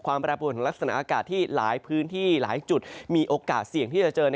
แปรปวนของลักษณะอากาศที่หลายพื้นที่หลายจุดมีโอกาสเสี่ยงที่จะเจอ